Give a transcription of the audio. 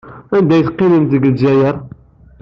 And ay teqqimemt deg Lezzayer?